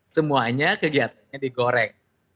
semuanya kegiatannya digoreng